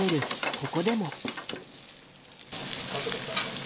ここでも。